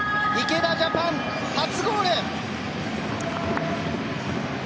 池田ジャパン初ゴール！